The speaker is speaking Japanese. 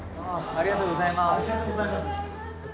ありがとうございます。